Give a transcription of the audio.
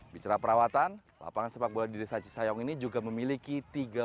bicara perawatan lapangan sepak bola di desa cisayong ini juga memiliki tiga